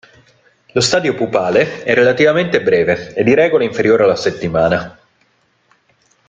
Lo stadio pupale è relativamente breve e di regola inferiore alla settimana.